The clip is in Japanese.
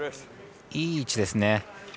いい位置ですね。